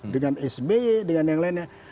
dengan sby dengan yang lainnya